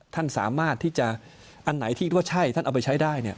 ท่านสามารถที่จะอันไหนที่ว่าใช่ท่านเอาไปใช้ได้เนี่ย